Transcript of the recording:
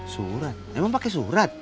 surat emang pake surat